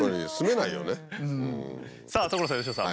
さあ所さん佳乃さん。